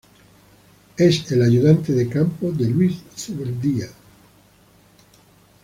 Fue es el Ayudante de campo de Luis Zubeldía.